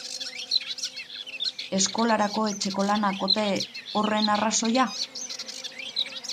Eskolarako etxeko-lanak ote horren arrazoia?